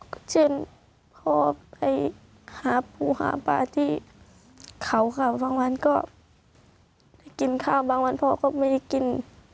ก็เช่นพ่อไปหาปูหาปลาที่เขาค่ะบางวันก็กินข้าวบางวันพ่อก็ไม่ได้กิน